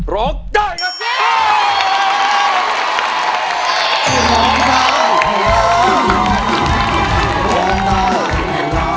ร้องได้ครับยินดีครับ